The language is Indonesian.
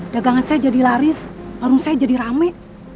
dagangan saya jadi laris warung saya jadi rame